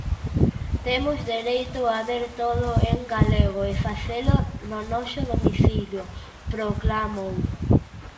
"Temos dereito a ver todo en galego e facelo no noso domicilio", proclamou.